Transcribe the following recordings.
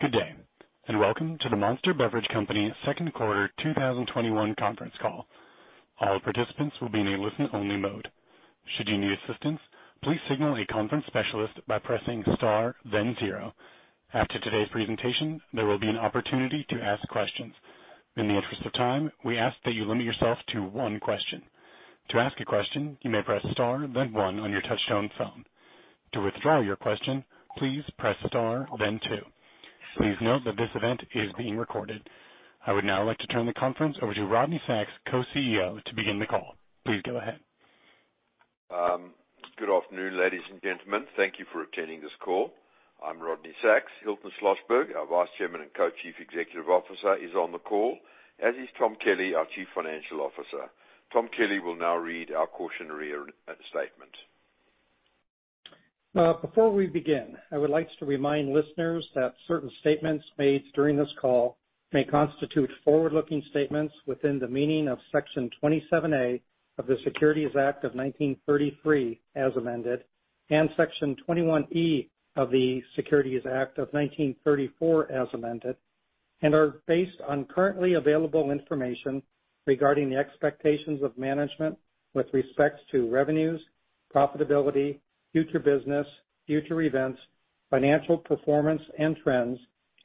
Good day, welcome to the Monster Beverage Company second quarter 2021 conference call. All participants will be in a listen-only mode. Should you need assistance, please signal the conference specialist by pressing the star, then zero. After today's presentation, there will be an opportunity to ask questions. In the interest of time, we ask that you limit yourself to one question. To ask a question, you may press star, then one on your touchtone phone. To withdraw your question, please press star, then two. Please note that this event is being recorded. I would now like to turn the conference over to Rodney Sacks, Co-CEO, to begin the call. Please go ahead. Good afternoon, ladies and gentlemen. Thank you for attending this call. I'm Rodney Sacks. Hilton Schlosberg, our Vice Chairman and Co-Chief Executive Officer, is on the call, as is Tom Kelly, our Chief Financial Officer. Tom Kelly will now read our cautionary statement. Before we begin, I would like to remind listeners that certain statements made during this call may constitute forward-looking statements within the meaning of Section 27A of the Securities Act of 1933, as amended, and Section 21E of the Securities Exchange Act of 1934, as amended, and are based on currently available information regarding the expectations of management with respect to revenues, profitability, future business, future events, financial performance, and trends,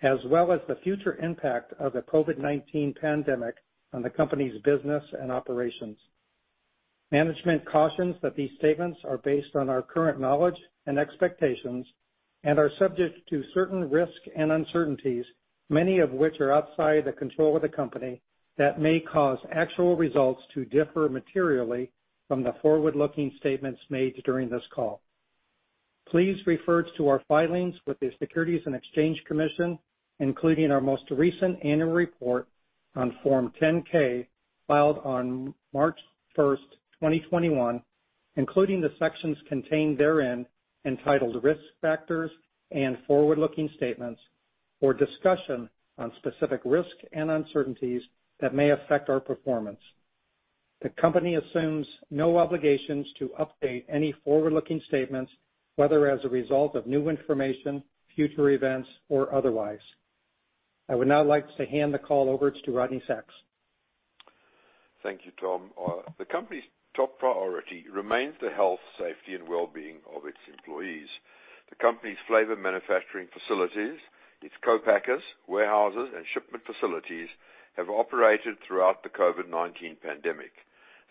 as well as the future impact of the COVID-19 pandemic on the company's business and operations. Management cautions that these statements are based on our current knowledge and expectations and are subject to certain risks and uncertainties, many of which are outside the control of the company, that may cause actual results to differ materially from the forward-looking statements made during this call. Please refer to our filings with the Securities and Exchange Commission, including our most recent annual report on Form 10-K filed on March 1st, 2021, including the sections contained therein entitled Risk Factors and Forward-Looking Statements for discussion on specific risks and uncertainties that may affect our performance. The company assumes no obligations to update any forward-looking statements, whether as a result of new information, future events, or otherwise. I would now like to hand the call over to Rodney Sacks. Thank you, Tom. The company's top priority remains the health, safety, and well-being of its employees. The company's flavor manufacturing facilities, its co-packers, warehouses, and shipment facilities have operated throughout the COVID-19 pandemic.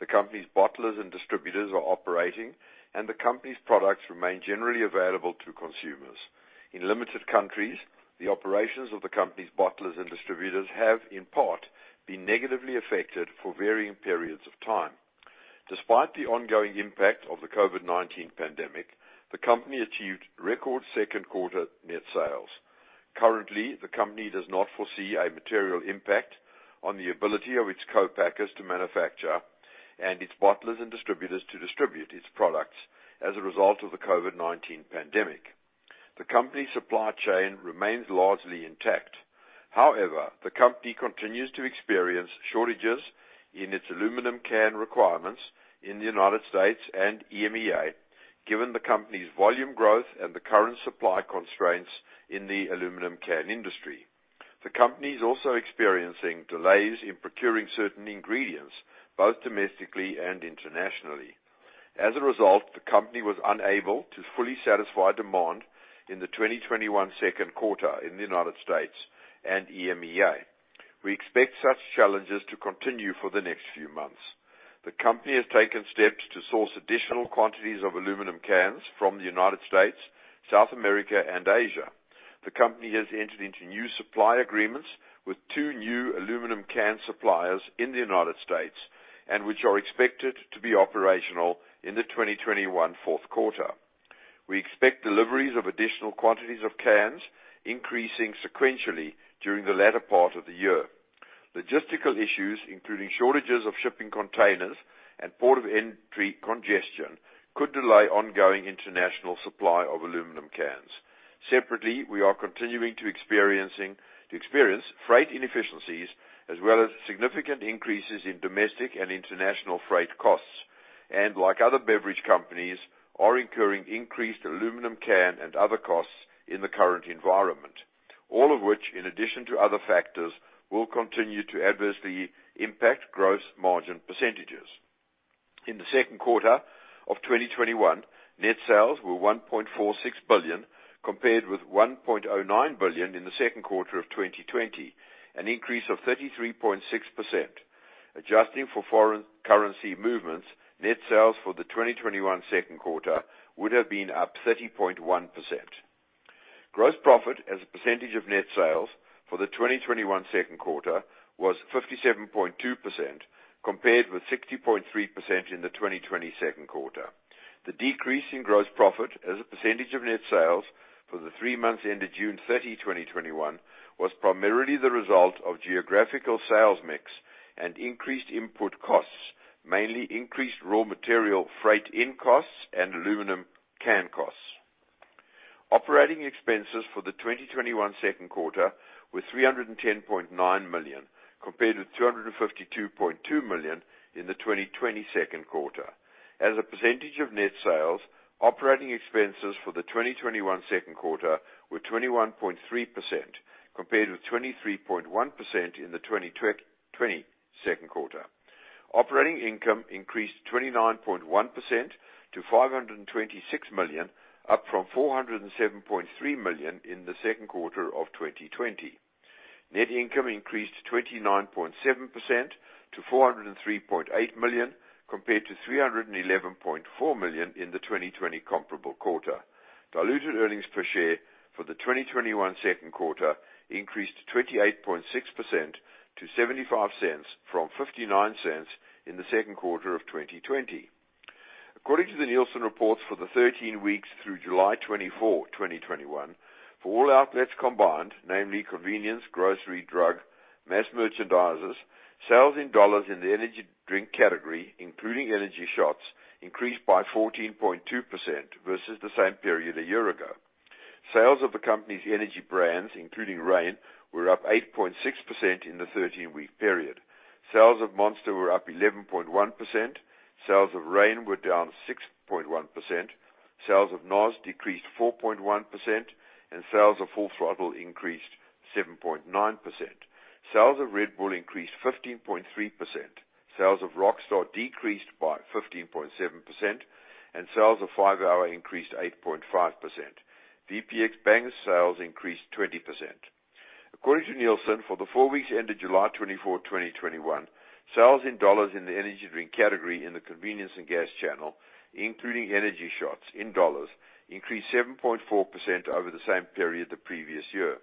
The company's bottlers and distributors are operating, and the company's products remain generally available to consumers. In limited countries, the operations of the company's bottlers and distributors have, in part, been negatively affected for varying periods of time. Despite the ongoing impact of the COVID-19 pandemic, the company achieved record second quarter net sales. Currently, the company does not foresee a material impact on the ability of its co-packers to manufacture and its bottlers and distributors to distribute its products as a result of the COVID-19 pandemic. The company's supply chain remains largely intact. However, the company continues to experience shortages in its aluminum can requirements in the U.S. and EMEA, given the company's volume growth and the current supply constraints in the aluminum can industry. The company is also experiencing delays in procuring certain ingredients, both domestically and internationally. As a result, the company was unable to fully satisfy demand in the 2021 second quarter in the U.S. and EMEA. We expect such challenges to continue for the next few months. The company has taken steps to source additional quantities of aluminum cans from the U.S., South America, and Asia. The company has entered into new supply agreements with two new aluminum can suppliers in the U.S., and which are expected to be operational in the 2021 fourth quarter. We expect deliveries of additional quantities of cans increasing sequentially during the latter part of the year. Logistical issues, including shortages of shipping containers and port of entry congestion, could delay ongoing international supply of aluminum cans. Separately, we are continuing to experience freight inefficiencies as well as significant increases in domestic and international freight costs, and like other beverage companies, are incurring increased aluminum can and other costs in the current environment. All of which, in addition to other factors, will continue to adversely impact gross margin percentages. In the second quarter of 2021, net sales were $1.46 billion compared with $1.09 billion in the second quarter of 2020, an increase of 33.6%. Adjusting for foreign currency movements, net sales for the 2021 second quarter would have been up 30.1%. Gross profit as a percentage of net sales for the 2021 second quarter was 57.2%, compared with 60.3% in the 2020 second quarter. The decrease in gross profit as a percentage of net sales for the three months ended June 30, 2021, was primarily the result of geographical sales mix and increased input costs, mainly increased raw material freight in costs and aluminum can costs. Operating expenses for the 2021 second quarter were $310.9 million, compared with $252.2 million in the 2020 second quarter. Operating expenses for the 2021 second quarter were 21.3%, compared with 23.1% in the 2020 second quarter. Operating income increased 29.1% to $526 million, up from $407.3 million in the second quarter of 2020. Net income increased 29.7% to $403.8 million, compared to $311.4 million in the 2020 comparable quarter. Diluted earnings per share for the 2021 second quarter increased 28.6% to $0.75 from $0.59 in the second quarter of 2020. According to the Nielsen reports for the 13 weeks through July 24, 2021, for all outlets combined, namely convenience, grocery, drug, mass merchandisers, sales in dollars in the energy drink category, including energy shots, increased by 14.2% versus the same period a year ago. Sales of the company's energy brands, including REIGN, were up 8.6% in the 13-week period. Sales of Monster were up 11.1%. Sales of REIGN were down 6.1%. Sales of NOS decreased 4.1%, and sales of Full Throttle increased 7.9%. Sales of Red Bull increased 15.3%. Sales of Rockstar decreased by 15.7%, and sales of 5-hour ENERGY increased 8.5%. VPX Bang sales increased 20%. According to Nielsen, for the four weeks ended July 24, 2021, sales in dollars in the energy drink category in the convenience and gas channel, including energy shots in dollars, increased 7.4% over the same period the previous year.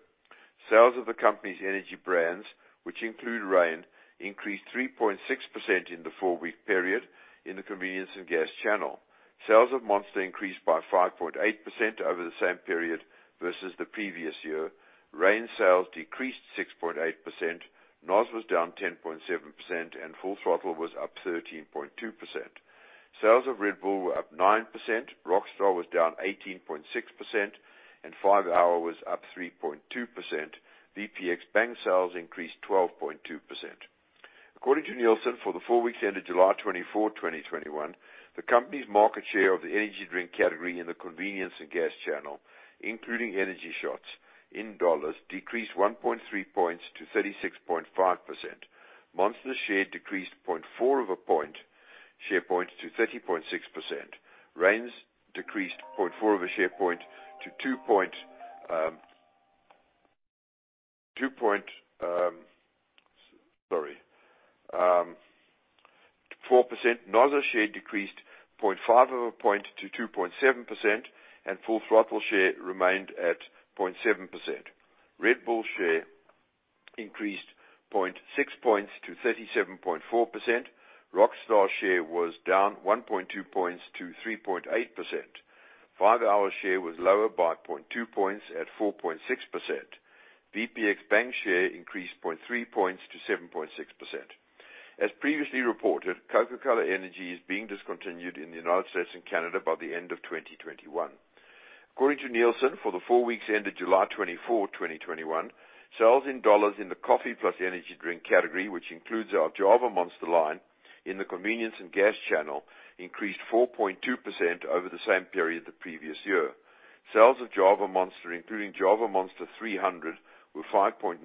Sales of the company's energy brands, which include REIGN, increased 3.6% in the four-week period in the convenience and gas channel. Sales of Monster increased by 5.8% over the same period versus the previous year. REIGN sales decreased 6.8%, NOS was down 10.7%, and Full Throttle was up 13.2%. Sales of Red Bull were up 9%, Rockstar was down 18.6%, and 5-hour ENERGY was up 3.2%. VPX Bang sales increased 12.2%. According to Nielsen, for the four weeks ended July 24, 2021, the company's market share of the energy drink category in the convenience and gas channel, including energy shots in dollars, decreased 1.3 points to 36.5%. Monster share decreased 0.4 of a share point to 30.6%. REIGN's decreased 0.4 of a share point to 2.4%. NOS share decreased 0.5 of a point to 2.7%, and Full Throttle share remained at 0.7%. Red Bull share increased 0.6 points to 37.4%. Rockstar share was down 1.2 points to 3.8%. 5-hour ENERGY share was lower by 0.2 points at 4.6%. VPX Bang share increased 0.3 points to 7.6%. As previously reported, Coca-Cola Energy is being discontinued in the U.S. and Canada by the end of 2021. According to Nielsen, for the four weeks ended July 24, 2021, sales in dollars in the coffee plus energy drink category, which includes our Java Monster line in the convenience and gas channel, increased 4.2% over the same period the previous year. Sales of Java Monster, including Java Monster 300, were 5.9%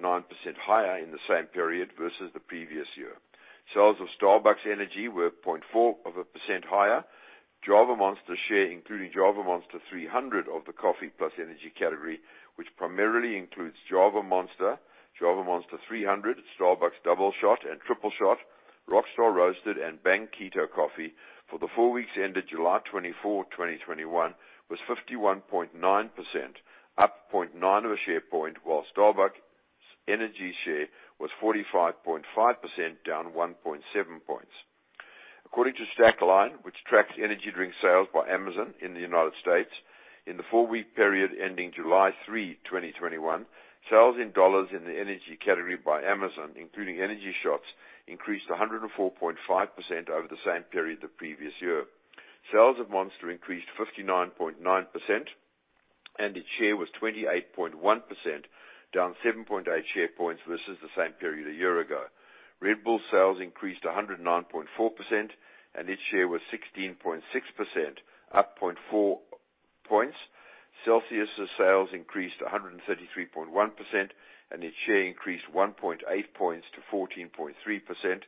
higher in the same period versus the previous year. Sales of Starbucks Energy were 0.4% higher. Java Monster share, including Java Monster 300 of the coffee plus energy category, which primarily includes Java Monster, Java Monster 300, Starbucks Doubleshot and Tripleshot, Rockstar Roasted, and Bang Keto Coffee, for the four weeks ended July 24, 2021, was 51.9%, up 0.9 of a share point, while Starbucks Energy share was 45.5%, down 1.7 points. According to Stackline, which tracks energy drink sales by Amazon in the United States, in the four-week period ending July 3, 2021, sales in dollars in the energy category by Amazon, including energy shots, increased 104.5% over the same period the previous year. Sales of Monster increased 59.9%, and its share was 28.1%, down 7.8 share points versus the same period a year ago. Red Bull sales increased 109.4%, and its share was 16.6%, up 0.4 points. CELSIUS sales increased 133.1%, and its share increased 1.8 points to 14.3%.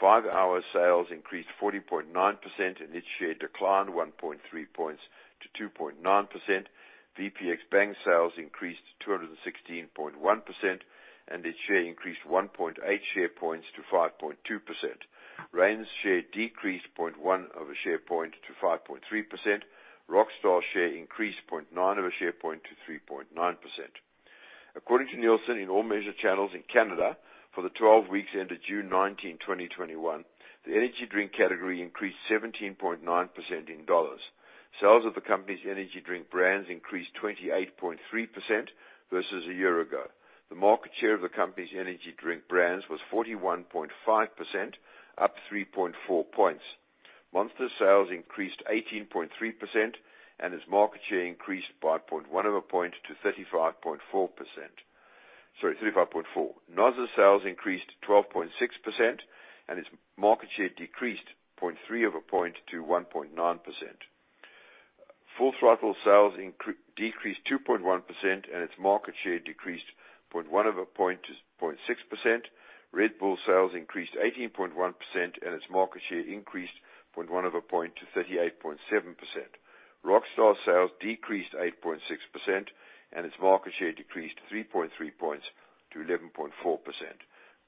5-hour ENERGY sales increased 40.9%, and its share declined 1.3 points to 2.9%. VPX Bang sales increased 216.1%, and its share increased 1.8 share points to 5.2%. REIGN's share decreased 0.1 of a share point to 5.3%. Rockstar share increased 0.9 of a share point to 3.9%. According to Nielsen, in all measured channels in Canada for the 12 weeks ended June 19, 2021, the energy drink category increased 17.9% in dollars. Sales of the company's energy drink brands increased 28.3% versus a year ago. The market share of the company's energy drink brands was 41.5%, up 3.4 points. Monster sales increased 18.3%, and its market share increased by 0.1 of a point to 35.4%. Sorry, 35.4. NOS sales increased 12.6%, and its market share decreased 0.3 of a point to 1.9%. Full Throttle sales decreased 2.1%, and its market share decreased 0.1 of a point to 0.6%. Red Bull sales increased 18.1%, and its market share increased 0.1 of a point to 38.7%. Rockstar sales decreased 8.6%, and its market share decreased 3.3 points to 11.4%.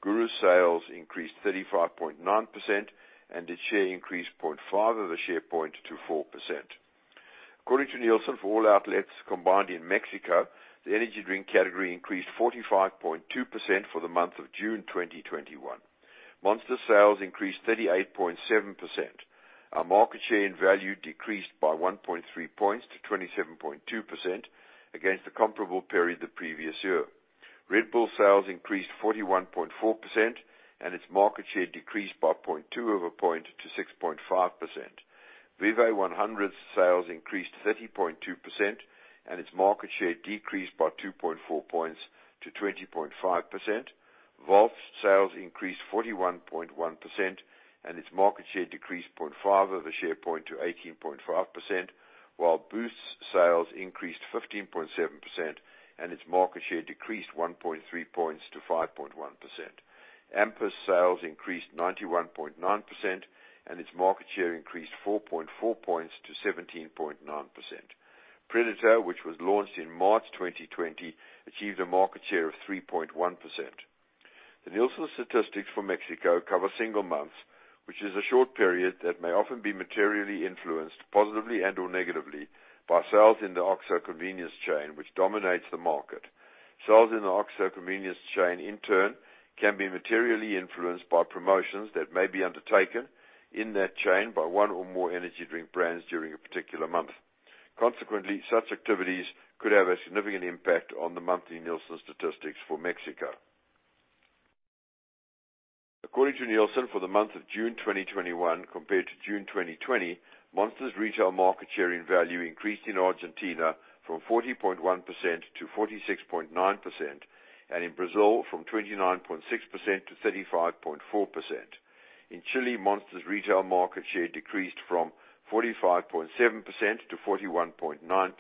GURU sales increased 35.9%, and its share increased 0.5 of a share point to 4%. According to Nielsen, for all outlets combined in Mexico, the energy drink category increased 45.2% for the month of June 2021. Monster sales increased 38.7%. Our market share in value decreased by 1.3 points to 27.2% against the comparable period the previous year. Red Bull sales increased 41.4%, and its market share decreased by 0.2 of a point to 6.5%. Vive 100 sales increased 30.2%, and its market share decreased by 2.4 points to 20.5%. Volt sales increased 41.1%, and its market share decreased 0.5 of a share point to 18.5%, while Boost sales increased 15.7% and its market share decreased 1.3 points to 5.1%. AMP sales increased 91.9%, and its market share increased 4.4 points to 17.9%. Predator, which was launched in March 2020, achieved a market share of 3.1%. The Nielsen statistics for Mexico cover single months, which is a short period that may often be materially influenced positively and/or negatively by sales in the OXXO convenience chain, which dominates the market. Sales in the OXXO convenience chain, in turn, can be materially influenced by promotions that may be undertaken in that chain by one or more energy drink brands during a particular month. Consequently, such activities could have a significant impact on the monthly Nielsen statistics for Mexico. According to Nielsen, for the month of June 2021 compared to June 2020, Monster's retail market share in value increased in Argentina from 40.1%-46.9% and in Brazil from 29.6%-35.4%. In Chile, Monster's retail market share decreased from 45.7%-41.9%.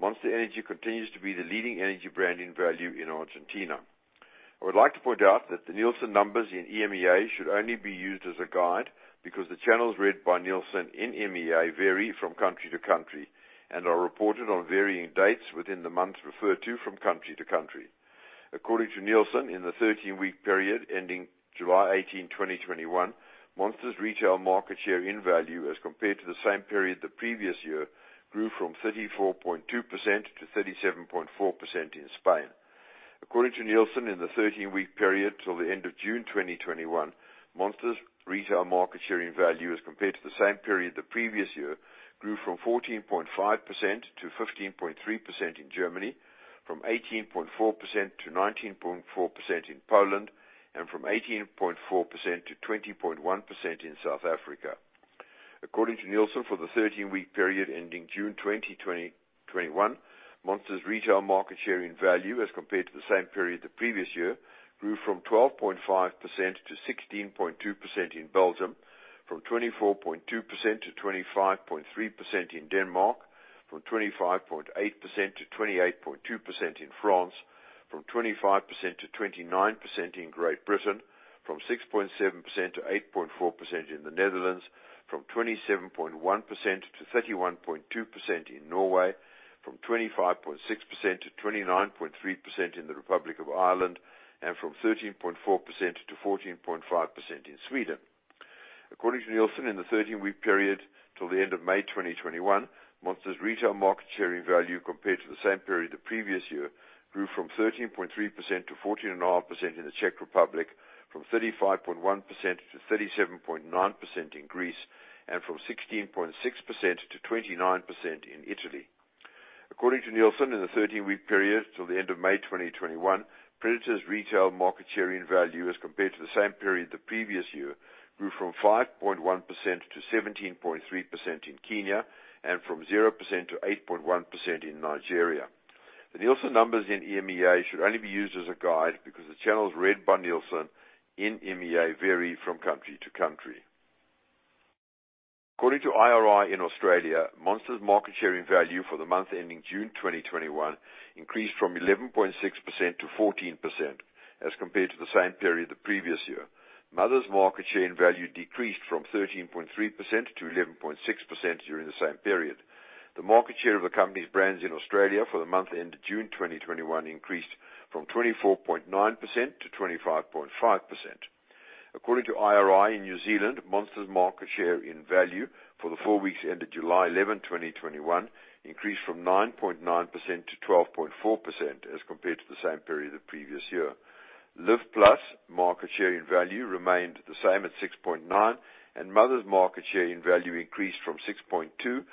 Monster Energy continues to be the leading energy brand in value in Argentina. I would like to point out that the Nielsen numbers in EMEA should only be used as a guide because the channels read by Nielsen in EMEA vary from country to country and are reported on varying dates within the months referred to from country to country. According to Nielsen, in the 13-week period ending July 18, 2021, Monster's retail market share in value as compared to the same period the previous year grew from 34.2%-37.4% in Spain. According to Nielsen, in the 13-week period till the end of June 2021, Monster's retail market share in value as compared to the same period the previous year grew from 14.5%-15.3% in Germany, from 18.4%-19.4% in Poland, and from 18.4%-20.1% in South Africa. According to Nielsen, for the 13-week period ending June 20, 2021, Monster's retail market share in value as compared to the same period the previous year grew from 12.5%-16.2% in Belgium, from 24.2%-25.3% in Denmark, from 25.8%-28.2% in France, from 25%-29% in Great Britain, from 6.7%-8.4% in the Netherlands, from 27.1%-31.2% in Norway, from 25.6%-29.3% in the Republic of Ireland, and from 13.4%-14.5% in Sweden. According to Nielsen, in the 13-week period till the end of May 2021, Monster's retail market share in value compared to the same period the previous year grew from 13.3%-14.5% in the Czech Republic, from 35.1%-37.9% in Greece, and from 16.6%-29% in Italy. According to Nielsen, in the 13-week period till the end of May 2021, Predator's retail market share in value as compared to the same period the previous year grew from 5.1%-17.3% in Kenya and from 0%-8.1% in Nigeria. The Nielsen numbers in EMEA should only be used as a guide because the channels read by Nielsen in EMEA vary from country to country. According to IRI in Australia, Monster's market share in value for the month ending June 2021 increased from 11.6%-14% as compared to the same period the previous year. Mother's market share in value decreased from 13.3%-11.6% during the same period. The market share of the company's brands in Australia for the month end of June 2021 increased from 24.9%-25.5%. According to IRI in New Zealand, Monster's market share in value for the four weeks ended July 11, 2021, increased from 9.9%-12.4% as compared to the same period the previous year. Live+ market share in value remained the same at 6.9%, and Mother's market share in value increased from 6.2%-6.3%.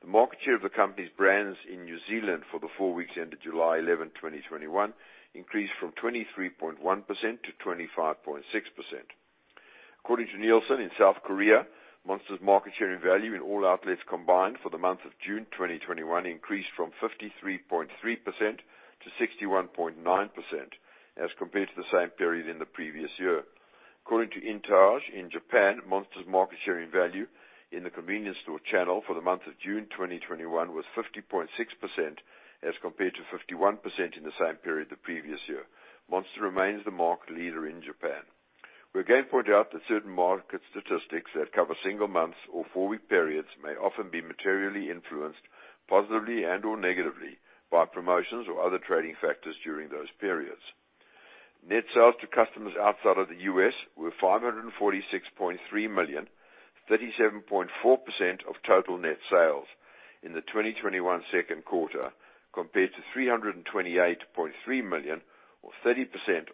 The market share of the company's brands in New Zealand for the four weeks ended July 11, 2021, increased from 23.1%-25.6%. According to Nielsen, in South Korea, Monster's market share in value in all outlets combined for the month of June 2021 increased from 53.3%-61.9% as compared to the same period in the previous year. According to INTAGE, in Japan, Monster's market share in value in the convenience store channel for the month of June 2021 was 50.6%, as compared to 51% in the same period the previous year. Monster remains the market leader in Japan. We again point out that certain market statistics that cover single months or four-week periods may often be materially influenced, positively and/or negatively, by promotions or other trading factors during those periods. Net sales to customers outside of the U.S. were $546.3 million, 37.4% of total net sales in the 2021 second quarter, compared to $328.3 million or 30%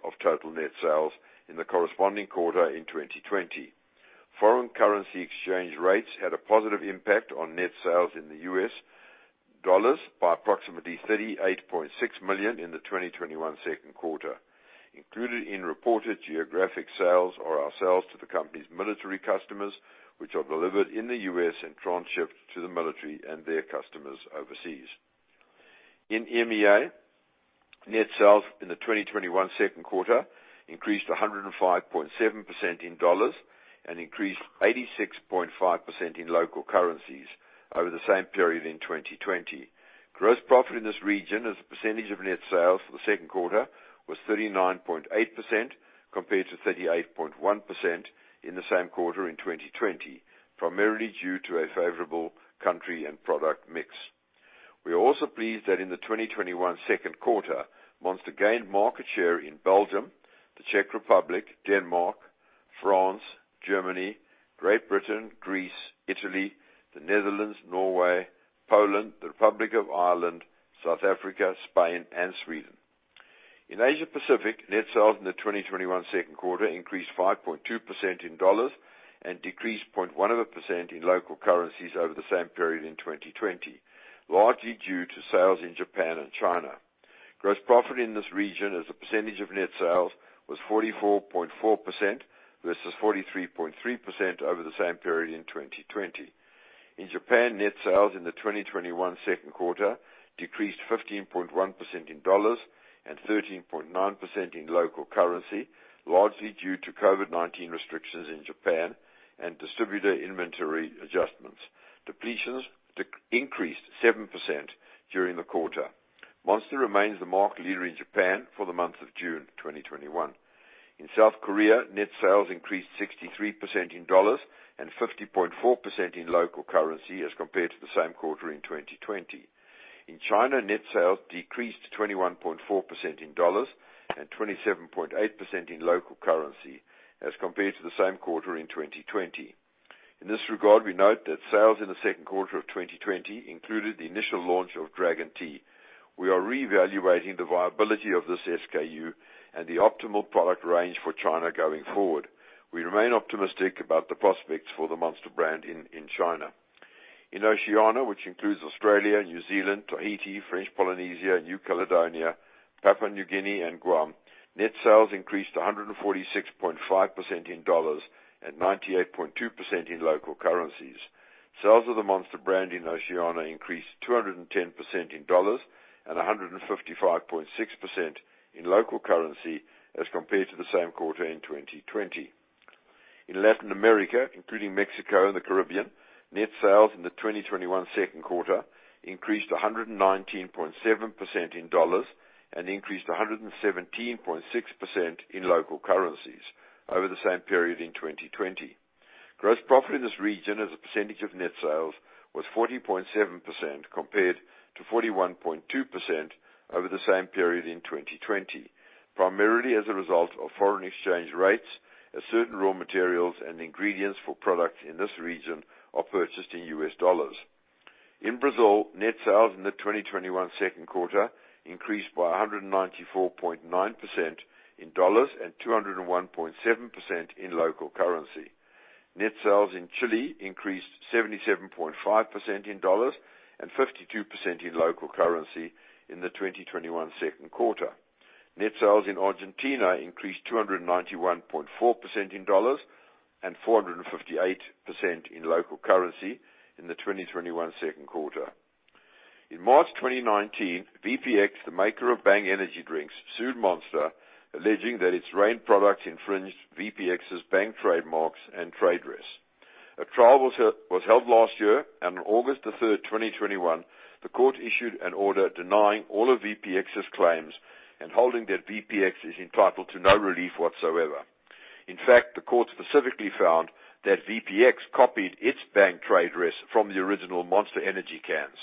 of total net sales in the corresponding quarter in 2020. Foreign currency exchange rates had a positive impact on net sales in the U.S. dollars by approximately $38.6 million in the 2021 second quarter. Included in reported geographic sales are our sales to the company's military customers, which are delivered in the U.S. and transshipped to the military and their customers overseas. In EMEA, net sales in the 2021 second quarter increased 105.7% in USD and increased 86.5% in local currencies over the same period in 2020. Gross profit in this region as a percentage of net sales for the second quarter was 39.8% compared to 38.1% in the same quarter in 2020, primarily due to a favorable country and product mix. We are also pleased that in the 2021 second quarter, Monster gained market share in Belgium, the Czech Republic, Denmark, France, Germany, Great Britain, Greece, Italy, the Netherlands, Norway, Poland, the Republic of Ireland, South Africa, Spain, and Sweden. In Asia Pacific, net sales in the 2021 second quarter increased 5.2% in USD and decreased 0.1% in local currencies over the same period in 2020, largely due to sales in Japan and China. Gross profit in this region as a percentage of net sales was 44.4% versus 43.3% over the same period in 2020. In Japan, net sales in the 2021 second quarter decreased 15.1% in dollars and 13.9% in local currency, largely due to COVID-19 restrictions in Japan and distributor inventory adjustments. Depletions increased 7% during the quarter. Monster remains the market leader in Japan for the month of June 2021. In South Korea, net sales increased 63% in dollars and 50.4% in local currency as compared to the same quarter in 2020. In China, net sales decreased 21.4% in dollars and 27.8% in local currency as compared to the same quarter in 2020. In this regard, we note that sales in the second quarter of 2020 included the initial launch of Dragon Tea. We are reevaluating the viability of this SKU and the optimal product range for China going forward. We remain optimistic about the prospects for the Monster brand in China. In Oceania, which includes Australia, New Zealand, Tahiti, French Polynesia, New Caledonia, Papua New Guinea, and Guam, net sales increased 146.5% in dollars and 98.2% in local currencies. Sales of the Monster brand in Oceania increased 210% in dollars and 155.6% in local currency as compared to the same quarter in 2020. In Latin America, including Mexico and the Caribbean, net sales in the 2021 second quarter increased 119.7% in dollars and increased 117.6% in local currencies over the same period in 2020. Gross profit in this region as a percentage of net sales was 40.7% compared to 41.2% over the same period in 2020, primarily as a result of foreign exchange rates as certain raw materials and ingredients for products in this region are purchased in U.S. dollars. In Brazil, net sales in the 2021 second quarter increased by 194.9% in dollars and 201.7% in local currency. Net sales in Chile increased 77.5% in dollars and 52% in local currency in the 2021 second quarter. Net sales in Argentina increased 291.4% in dollars and 458% in local currency in the 2021 second quarter. In March 2019, VPX, the maker of Bang energy drinks, sued Monster, alleging that its REIGN products infringed VPX's Bang trademarks and trade dress. A trial was held last year, and on August 3rd, 2021, the court issued an order denying all of VPX's claims and holding that VPX is entitled to no relief whatsoever. In fact, the court specifically found that VPX copied its Bang trade dress from the original Monster energy cans.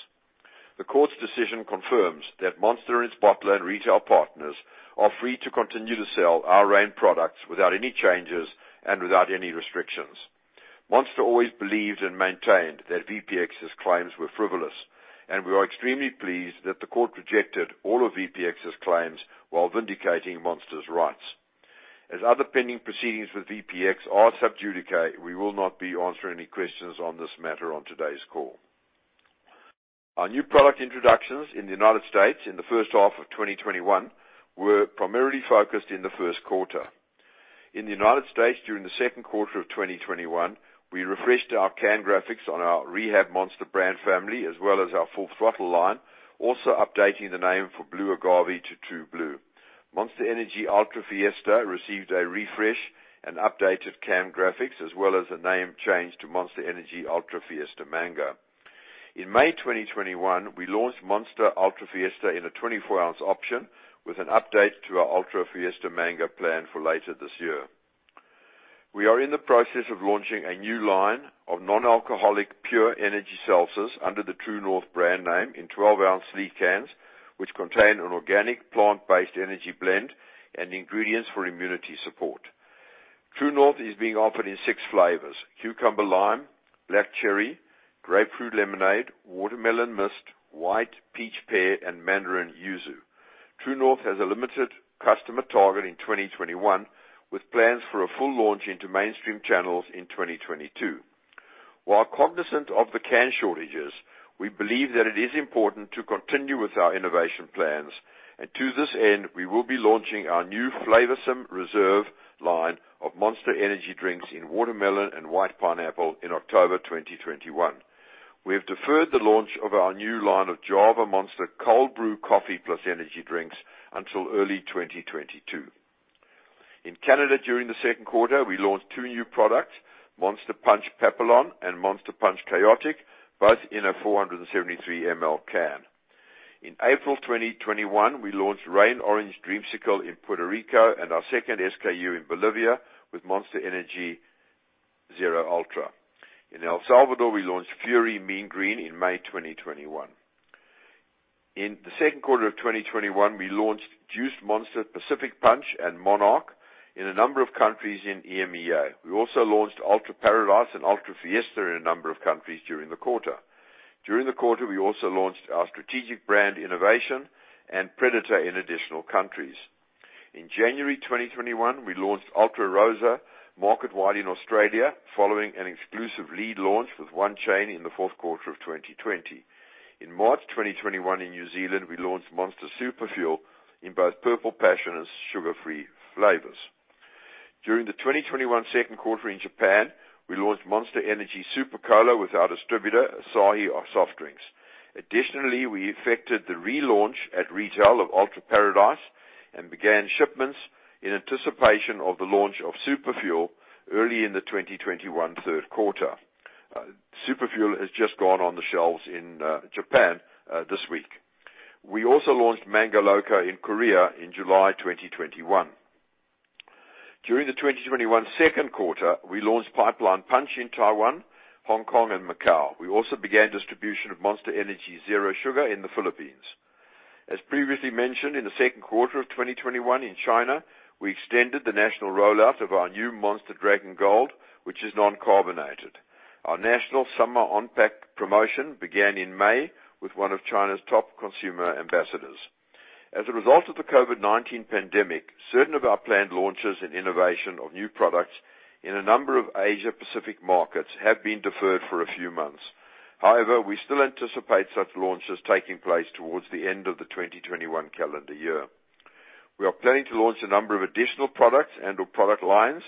The court's decision confirms that Monster and its bottler and retail partners are free to continue to sell our REIGN products without any changes and without any restrictions. Monster always believed and maintained that VPX's claims were frivolous, and we are extremely pleased that the court rejected all of VPX's claims while vindicating Monster's rights. As other pending proceedings with VPX are sub judice, we will not be answering any questions on this matter on today's call. Our new product introductions in the United States. in the first half of 2021 were primarily focused in the first quarter. In the United States, during the second quarter of 2021, we refreshed our can graphics on our Rehab Monster brand family, as well as our Full Throttle line, also updating the name for Blue Agave to True Blue. Monster Energy Ultra Fiesta received a refresh and updated can graphics, as well as a name change to Monster Energy Ultra Fiesta Mango. In May 2021, we launched Monster Ultra Fiesta in a 24-oz option with an update to our Ultra Fiesta Mango plan for later this year. We are in the process of launching a new line of non-alcoholic pure energy seltzers under the True North brand name in 12 oz cans, which contain an organic plant-based energy blend and ingredients for immunity support. True North is being offered in six flavors: Cucumber Lime, Black Cherry, Grapefruit Lemonade, Watermelon Mist, White Peach Pear, and Mandarin Yuzu. True North has a limited customer target in 2021, with plans for a full launch into mainstream channels in 2022. While cognizant of the can shortages, we believe that it is important to continue with our innovation plans. To this end, we will be launching our new flavorsome reserve line of Monster Energy drinks in Watermelon and White Pineapple in October 2021. We have deferred the launch of our new line of Java Monster Cold Brew Coffee plus energy drinks until early 2022. In Canada during the second quarter, we launched two new products, Monster Punch Papillon and Monster Punch Khaotic, both in a 473 ml can. In April 2021, we launched REIGN Orange Dreamsicle in Puerto Rico and our second SKU in Bolivia with Monster Energy Zero Ultra. In El Salvador, we launched Fury Mean Green in May 2021. In the second quarter of 2021, we launched Juiced Monster Pacific Punch and Monarch in a number of countries in EMEA. We also launched Ultra Paradise and Ultra Fiesta in a number of countries during the quarter. During the quarter, we also launched our strategic brand innovation and Predator in additional countries. In January 2021, we launched Ultra Rosa market-wide in Australia, following an exclusive lead launch with one chain in the fourth quarter of 2020. In March 2021, in New Zealand, we launched Monster Super Fuel in both Purple Passion and sugar-free flavors. During the 2021 second quarter in Japan, we launched Monster Energy Super Cola with our distributor, Asahi Soft Drinks. Additionally, we effected the relaunch at retail of Ultra Paradise and began shipments in anticipation of the launch of Super Fuel early in the 2021 third quarter. Super Fuel has just gone on the shelves in Japan this week. We also launched Mango Loco in Korea in July 2021. During the 2021 second quarter, we launched Pipeline Punch in Taiwan, Hong Kong, and Macau. We also began distribution of Monster Energy Zero Sugar in the Philippines. As previously mentioned, in the second quarter of 2021 in China, we extended the national rollout of our new Monster Dragon Gold, which is non-carbonated. Our national summer on-pack promotion began in May with one of China's top consumer ambassadors. As a result of the COVID-19 pandemic, certain of our planned launches and innovation of new products in a number of Asia-Pacific markets have been deferred for a few months. However, we still anticipate such launches taking place towards the end of the 2021 calendar year. We are planning to launch a number of additional products and/or product lines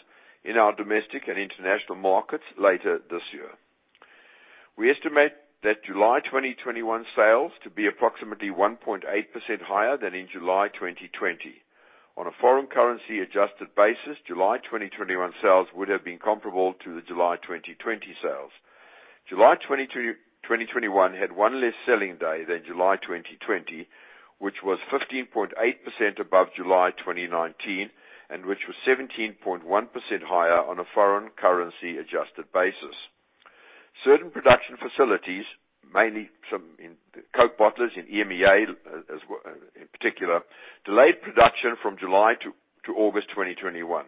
in our domestic and international markets later this year. We estimate that July 2021 sales to be approximately 1.8% higher than in July 2020. On a foreign currency adjusted basis, July 2021 sales would have been comparable to the July 2020 sales. July 2021 had one less selling day than July 2020, which was 15.8% above July 2019, and which was 17.1% higher on a foreign currency adjusted basis. Certain production facilities, mainly some Coca-Cola bottlers in EMEA in particular, delayed production from July to August 2021.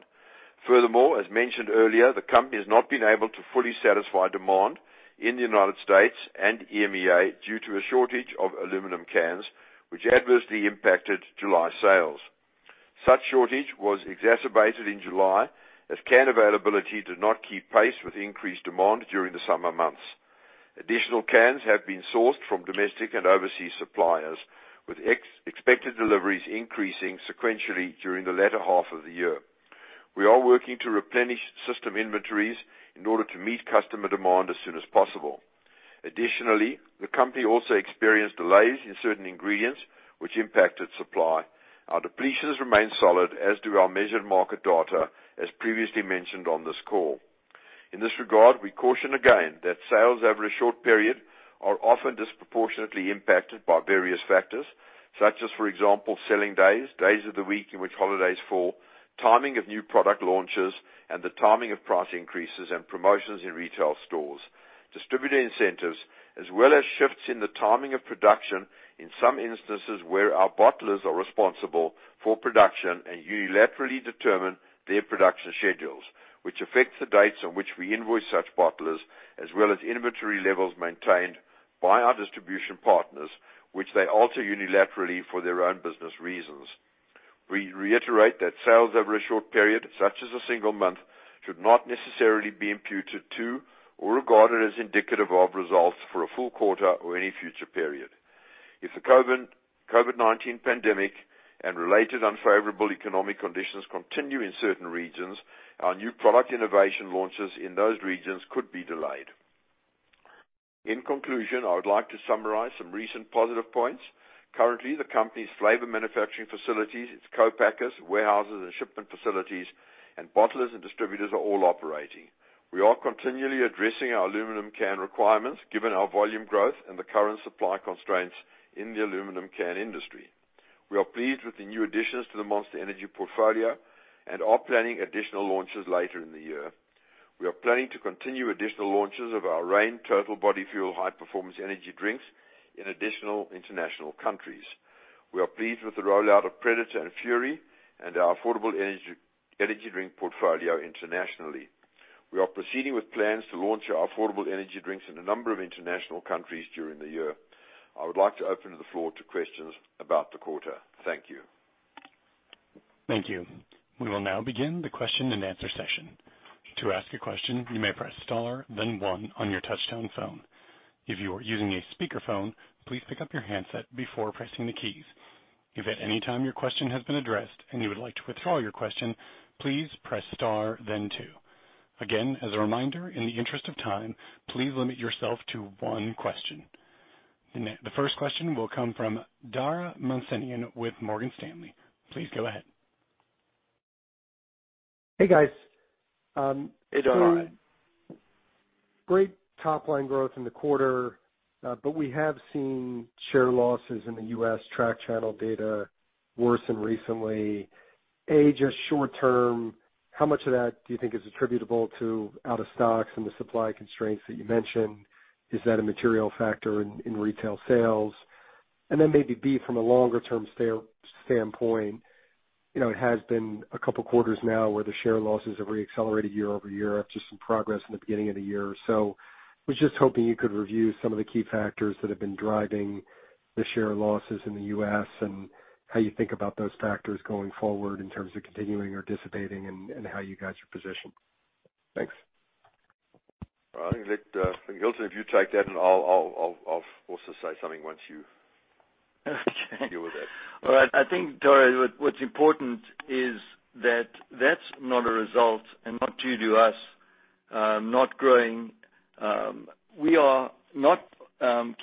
Furthermore, as mentioned earlier, the company has not been able to fully satisfy demand in the United States and EMEA due to a shortage of aluminum cans, which adversely impacted July sales. Such shortage was exacerbated in July, as can availability did not keep pace with increased demand during the summer months. Additional cans have been sourced from domestic and overseas suppliers, with expected deliveries increasing sequentially during the latter half of the year. We are working to replenish system inventories in order to meet customer demand as soon as possible. The company also experienced delays in certain ingredients, which impacted supply. Our depletions remain solid, as do our measured market data, as previously mentioned on this call. In this regard, we caution again that sales over a short period are often disproportionately impacted by various factors, such as, for example, selling days of the week in which holidays fall, timing of new product launches, and the timing of price increases and promotions in retail stores. Distributor incentives, as well as shifts in the timing of production in some instances where our bottlers are responsible for production and unilaterally determine their production schedules, which affects the dates on which we invoice such bottlers, as well as inventory levels maintained by our distribution partners, which they alter unilaterally for their own business reasons. We reiterate that sales over a short period, such as a single month, should not necessarily be imputed to or regarded as indicative of results for a full quarter or any future period. If the COVID-19 pandemic and related unfavorable economic conditions continue in certain regions, our new product innovation launches in those regions could be delayed. In conclusion, I would like to summarize some recent positive points. Currently, the company's flavor manufacturing facilities, its co-packers, warehouses, and shipment facilities, and bottlers and distributors are all operating. We are continually addressing our aluminum can requirements, given our volume growth and the current supply constraints in the aluminum can industry. We are pleased with the new additions to the Monster Energy portfolio and are planning additional launches later in the year. We are planning to continue additional launches of our REIGN Total Body Fuel high-performance energy drinks in additional international countries. We are pleased with the rollout of Predator and Fury and our affordable energy drink portfolio internationally. We are proceeding with plans to launch our affordable energy drinks in a number of international countries during the year. I would like to open the floor to questions about the quarter. Thank you. Thank you. We will now begin the question and answer session. To ask a question, you may press star then one on your touchtone phone. If you are using a speakerphone, please pick up your handset before pressing the keys. If at any time your question has been addressed and you would like to withdraw your question, please press star then two. Again, as a reminder, in the interest of time, please limit yourself to one question. The first question will come from Dara Mohsenian with Morgan Stanley. Please go ahead. Hey, guys. Hey, Dara. Great top-line growth in the quarter. We have seen share losses in the U.S. track channel data worsen recently. A, just short term, how much of that do you think is attributable to out of stocks and the supply constraints that you mentioned? Is that a material factor in retail sales? Maybe, B, from a longer-term standpoint, it has been a couple of quarters now where the share losses have re-accelerated year-over-year after some progress in the beginning of the year. I was just hoping you could review some of the key factors that have been driving the share losses in the U.S., and how you think about those factors going forward in terms of continuing or dissipating and how you guys are positioned. Thanks. I think, Hilton, if you take that and I'll also say something. Okay deal with that. All right. I think, Dara, what's important is that that's not a result and not due to us not growing. We are not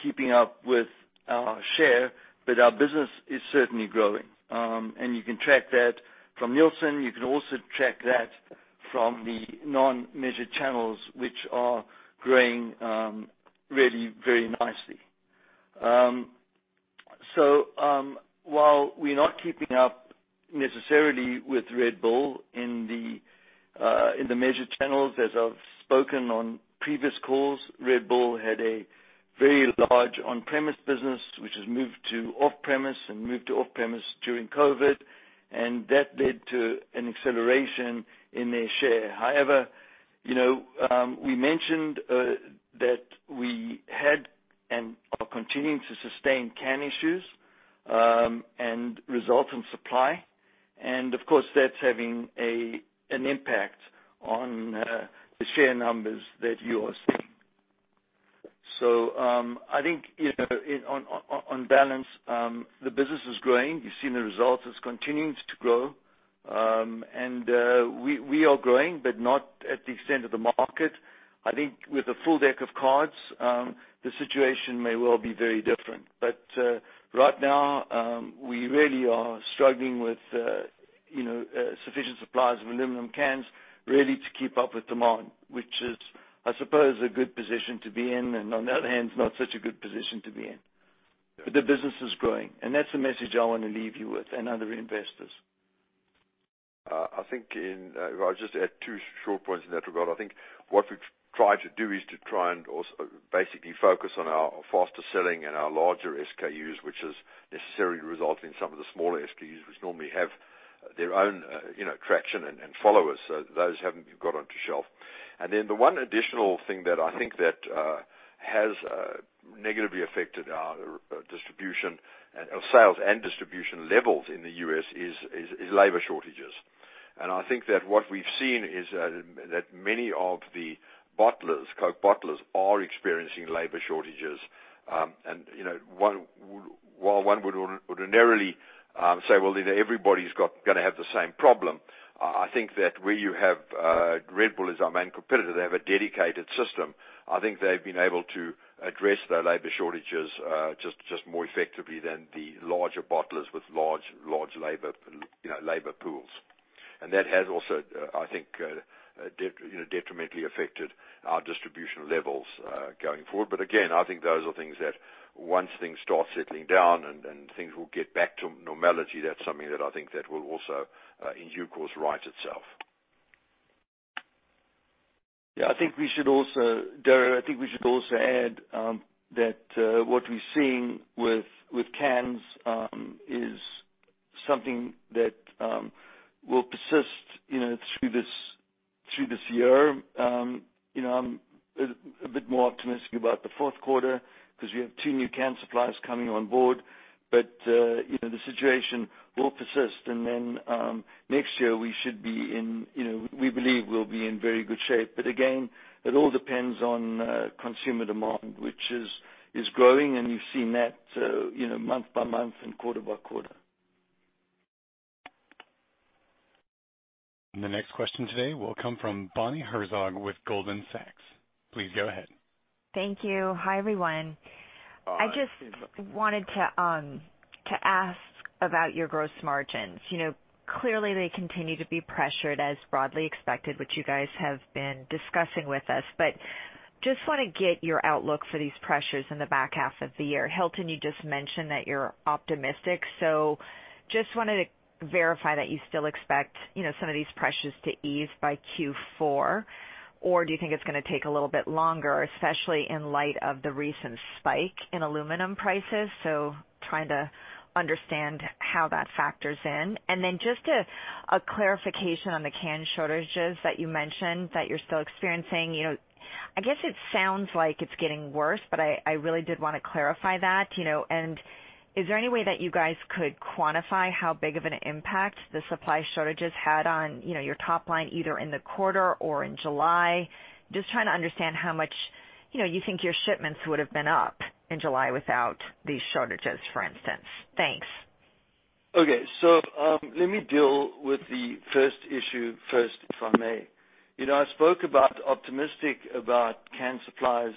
keeping up with our share, but our business is certainly growing. You can track that from Nielsen. You can also track that from the non-measured channels, which are growing really very nicely. While we're not keeping up necessarily with Red Bull in the measured channels, as I've spoken on previous calls, Red Bull had a very large on-premise business, which has moved to off-premise and moved to off-premise during COVID-19, and that led to an acceleration in their share. However, we mentioned that we had and are continuing to sustain can issues and result in supply, and of course, that's having an impact on the share numbers that you are seeing. I think on balance, the business is growing. You've seen the results. It's continuing to grow. We are growing, but not at the extent of the market. I think with a full deck of cards, the situation may well be very different. Right now, we really are struggling with sufficient supplies of aluminum cans really to keep up with demand, which is, I suppose, a good position to be in, and on the other hand, not such a good position to be in. The business is growing, and that's the message I want to leave you with and other investors. I think if I could just add two short points in that regard. I think what we've tried to do is to try and also basically focus on our faster selling and our larger SKUs, which has necessarily resulted in some of the smaller SKUs, which normally have their own traction and followers. Those haven't got onto shelf. Then the one additional thing that I think that has negatively affected our sales and distribution levels in the U.S. is labor shortages. I think that what we've seen is that many of the bottlers, Coca-Cola bottlers, are experiencing labor shortages. While one would ordinarily say, "Well, then everybody's going to have the same problem," I think that where you have Red Bull as our main competitor, they have a dedicated system. I think they've been able to address their labor shortages just more effectively than the larger bottlers with large labor pools. That has also, I think, detrimentally affected our distribution levels going forward. Again, I think those are things that once things start settling down and things will get back to normality, that's something that I think that will also, in due course, right itself. Yeah, Dara, I think we should also add that what we're seeing with cans is something that will persist through this year. I'm a bit more optimistic about the fourth quarter because we have two new can suppliers coming on board. The situation will persist. Next year we believe we'll be in very good shape. Again, it all depends on consumer demand, which is growing, and you've seen that month by month and quarter by quarter. The next question today will come from Bonnie Herzog with Goldman Sachs. Please go ahead. Thank you. Hi, everyone. I just wanted to ask about your gross margins. Clearly they continue to be pressured as broadly expected, which you guys have been discussing with us. Just want to get your outlook for these pressures in the back half of the year. Hilton, you just mentioned that you're optimistic, so just wanted to verify that you still expect some of these pressures to ease by Q4, or do you think it's going to take a little bit longer, especially in light of the recent spike in aluminum prices? Trying to understand how that factors in. Then just a clarification on the can shortages that you mentioned that you're still experiencing. I guess it sounds like it's getting worse, but I really did want to clarify that. Is there any way that you guys could quantify how big of an impact the supply shortages had on your top line, either in the quarter or in July? Just trying to understand how much you think your shipments would've been up in July without these shortages, for instance. Thanks. Okay. Let me deal with the first issue first, if I may. I spoke about optimistic about can supplies.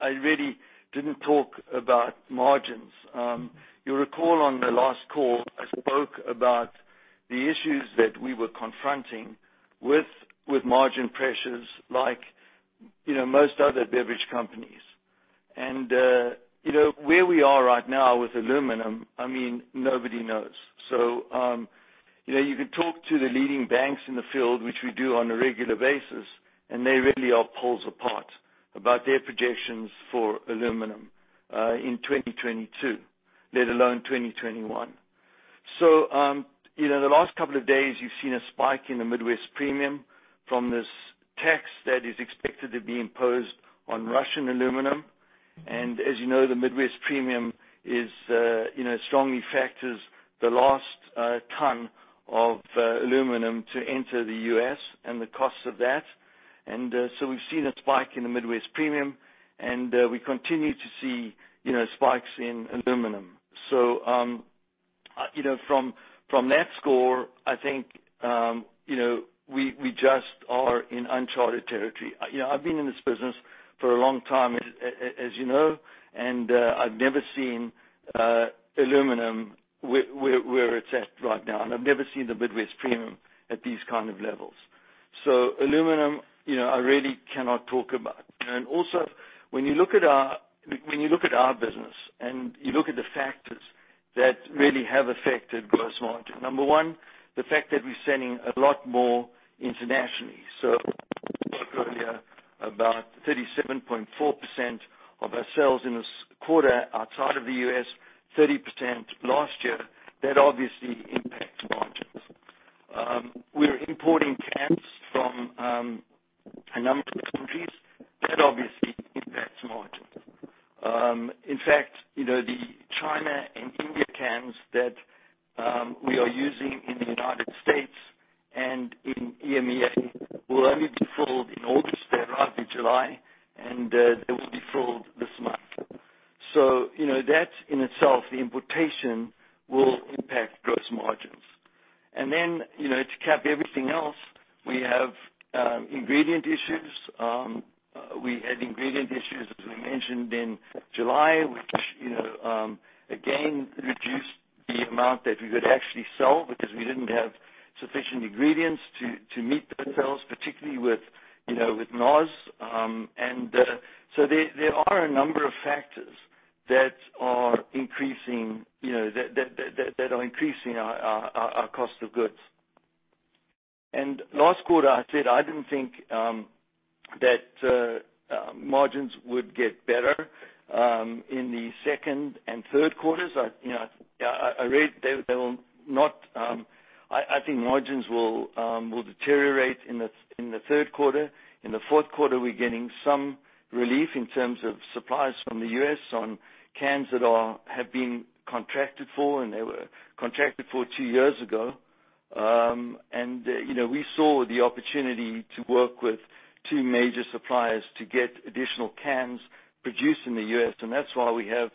I really didn't talk about margins. You'll recall on the last call, I spoke about the issues that we were confronting with margin pressures like most other beverage companies. Where we are right now with aluminum, nobody knows. You can talk to the leading banks in the field, which we do on a regular basis, and they really are poles apart about their projections for aluminum in 2022, let alone 2021. The last couple of days you've seen a spike in the Midwest Premium from this tax that is expected to be imposed on Russian aluminum. As you know, the Midwest Premium strongly factors the last ton of aluminum to enter the U.S. and the cost of that. We've seen a spike in the Midwest Premium, and we continue to see spikes in aluminum. From that score, I think we just are in uncharted territory. I've been in this business for a long time, as you know, and I've never seen aluminum where it's at right now, and I've never seen the Midwest Premium at these kind of levels. Aluminum, I really cannot talk about. When you look at our business and you look at the factors that really have affected gross margin, number one, the fact that we're selling a lot more internationally. I spoke earlier about 37.4% of our sales in this quarter outside of the U.S., 30% last year. That obviously impacts margins. We are importing cans from a number of countries. That obviously impacts margins. In fact, the China and India cans that we are using in the U.S. and in EMEA will only be filled in August. They arrived in July, and they will be filled this month. That in itself, the importation will impact gross margins. To cap everything else, we have ingredient issues. We had ingredient issues, as we mentioned, in July, which again, reduced the amount that we could actually sell because we didn't have sufficient ingredients to meet the sales, particularly with NOS. There are a number of factors that are increasing our cost of goods. Last quarter, I said I didn't think that margins would get better in the second and third quarters. I think margins will deteriorate in the third quarter. In the fourth quarter, we're getting some relief in terms of supplies from the U.S. on cans that have been contracted for. They were contracted for two years ago. We saw the opportunity to work with two major suppliers to get additional cans produced in the U.S., and that's why we have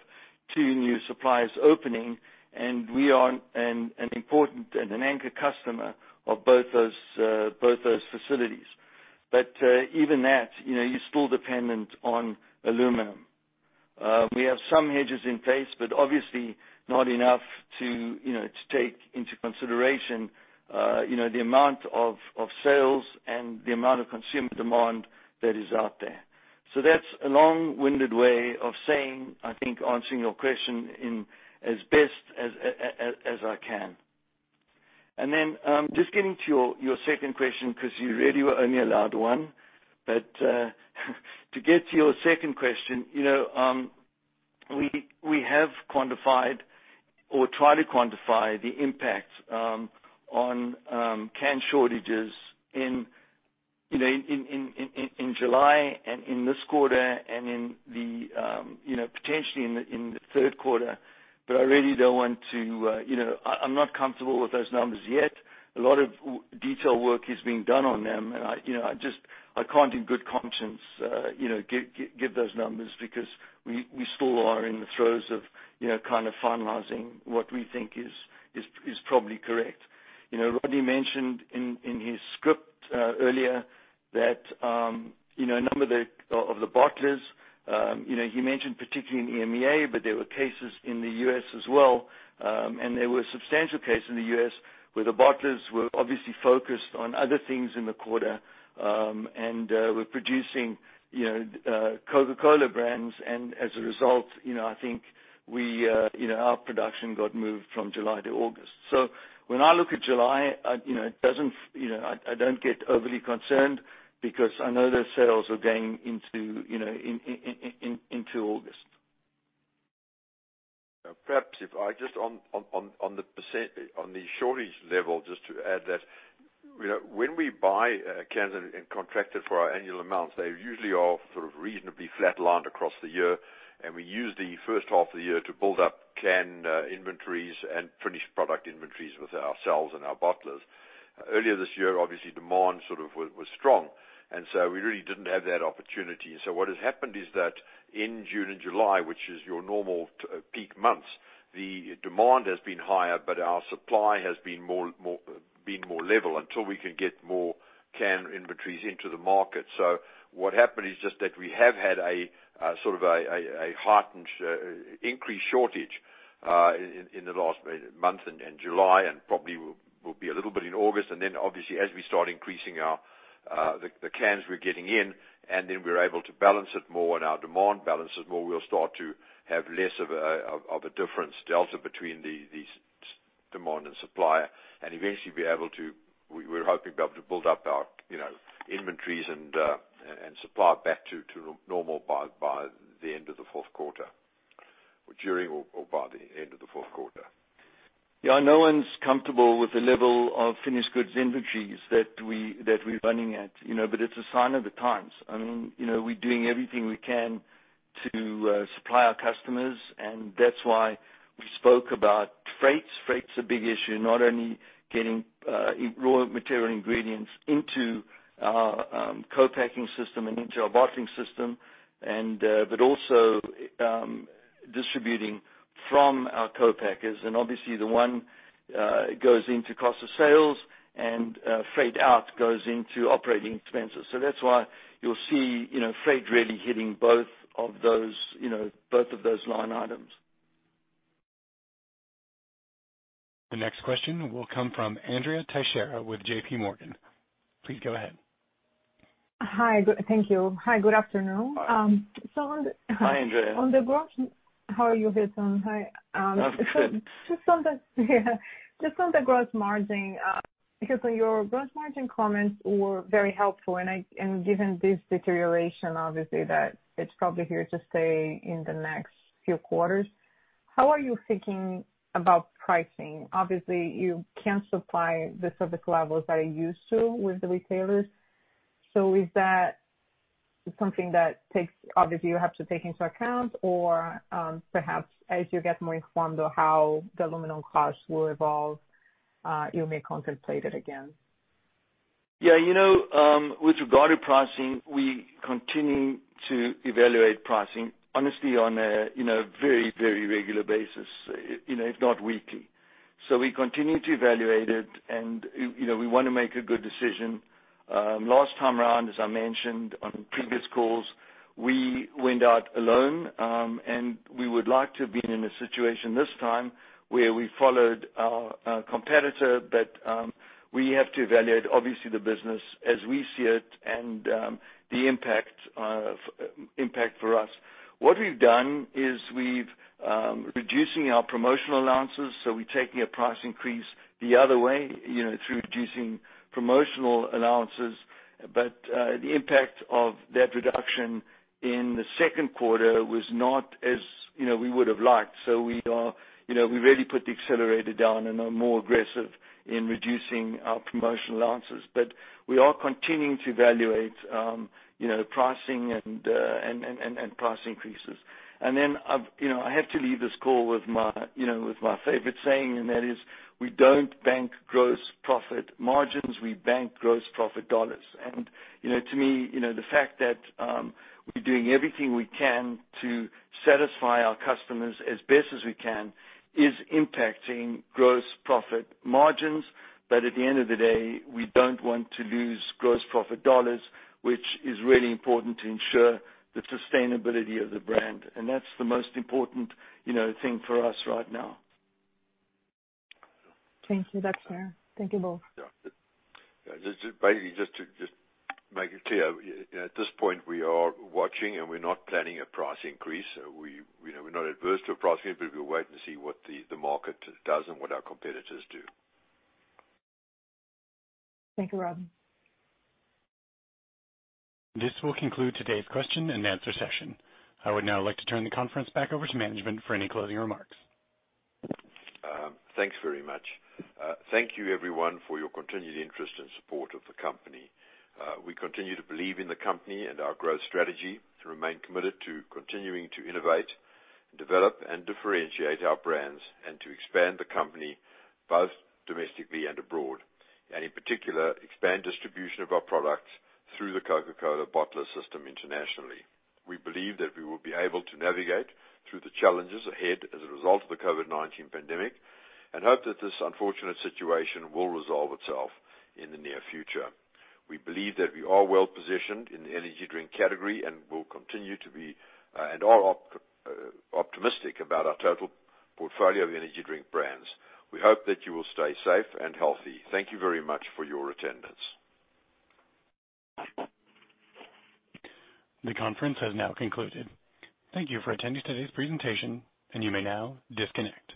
two new suppliers opening, and we are an important and an anchor customer of both those facilities. Even that, you're still dependent on aluminum. We have some hedges in place, but obviously not enough to take into consideration the amount of sales and the amount of consumer demand that is out there. That's a long-winded way of saying, I think, answering your question in as best as I can. Then, just getting to your second question, because you really were only allowed one. To get to your second question. We have quantified or tried to quantify the impact on can shortages in July and in this quarter and potentially in the third quarter. I'm not comfortable with those numbers yet. A lot of detail work is being done on them. I can't in good conscience give those numbers because we still are in the throes of kind of finalizing what we think is probably correct. Rodney mentioned in his script earlier that a number of the bottlers, he mentioned particularly in EMEA, there were cases in the U.S. as well. There were substantial cases in the U.S. where the bottlers were obviously focused on other things in the quarter and were producing Coca-Cola brands. As a result, I think our production got moved from July to August. When I look at July, I don't get overly concerned because I know their sales are going into August. Perhaps if I just, on the shortage level, just to add that when we buy cans and contract it for our annual amounts, they usually are sort of reasonably flatlined across the year, and we use the first half of the year to build up can inventories and finished product inventories with ourselves and our bottlers. Earlier this year, obviously demand sort of was strong, and so we really didn't have that opportunity. What has happened is that in June and July, which is your normal peak months, the demand has been higher, but our supply has been more level until we can get more can inventories into the market. What happened is just that we have had a sort of a heightened increased shortage in the last month in July and probably will be a little bit in August. Obviously as we start increasing the cans we're getting in, and then we're able to balance it more and our demand balances more, we'll start to have less of a difference delta between the demand and supply and eventually we're hoping to be able to build up our inventories and supply back to normal by the end of the fourth quarter, or during or by the end of the fourth quarter. Yeah, no one's comfortable with the level of finished goods inventories that we're running at, but it's a sign of the times. We're doing everything we can to supply our customers, and that's why we spoke about freight. Freight's a big issue, not only getting raw material ingredients into our co-packing system and into our bottling system, but also distributing from our co-packers. Obviously the one goes into cost of sales and freight out goes into operating expenses. That's why you'll see freight really hitting both of those line items. The next question will come from Andrea Teixeira with JPMorgan. Please go ahead. Hi. Thank you. Hi, good afternoon. Hi. Hi, Andrea. How are you, Hilton? Hi. Good. Just on the gross margin. Your gross margin comments were very helpful, and given this deterioration, obviously that it's probably here to stay in the next few quarters, how are you thinking about pricing? Obviously, you can't supply the service levels that you used to with the retailers. Is that something that obviously you have to take into account or perhaps as you get more informed of how the aluminum costs will evolve you may contemplate it again? With regard to pricing, we continue to evaluate pricing honestly on a very, very regular basis, if not weekly. We continue to evaluate it, and we want to make a good decision. Last time around, as I mentioned on previous calls, we went out alone, and we would like to have been in a situation this time where we followed our competitor, but we have to evaluate, obviously, the business as we see it and the impact for us. What we've done is we're reducing our promotional allowances, we're taking a price increase the other way, through reducing promotional allowances. The impact of that reduction in the second quarter was not as we would've liked. We really put the accelerator down and are more aggressive in reducing our promotional allowances. We are continuing to evaluate pricing and price increases. I have to leave this call with my favorite saying, and that is, we don't bank gross profit margins, we bank gross profit dollars. To me, the fact that we're doing everything we can to satisfy our customers as best as we can is impacting gross profit margins, but at the end of the day, we don't want to lose gross profit dollars, which is really important to ensure the sustainability of the brand. That's the most important thing for us right now. Thank you. That's fair. Thank you both. Yeah. Basically just to make it clear, at this point, we are watching, and we're not planning a price increase. We're not adverse to a price increase, but we'll wait and see what the market does and what our competitors do. Thank you, Rodney. This will conclude today's question-and-answer session. I would now like to turn the conference back over to management for any closing remarks. Thanks very much. Thank you everyone for your continued interest and support of the company. We continue to believe in the company and our growth strategy to remain committed to continuing to innovate, develop, and differentiate our brands and to expand the company both domestically and abroad. In particular, expand distribution of our products through the Coca-Cola bottler system internationally. We believe that we will be able to navigate through the challenges ahead as a result of the COVID-19 pandemic and hope that this unfortunate situation will resolve itself in the near future. We believe that we are well-positioned in the energy drink category and will continue to be and are optimistic about our total portfolio of energy drink brands. We hope that you will stay safe and healthy. Thank you very much for your attendance. The conference has now concluded. Thank you for attending today's presentation, and you may now disconnect.